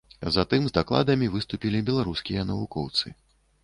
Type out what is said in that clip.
Затым з дакладамі выступілі беларускія навукоўцы.